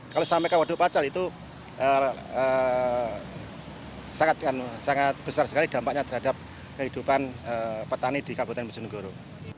kalau sampai ke waduk pacal itu sangat besar sekali dampaknya terhadap kehidupan petani di kabupaten bojonegoro